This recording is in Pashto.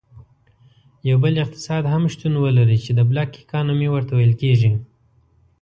یو بل اقتصاد هم شتون ولري چې Black Economy ورته ویل کیږي.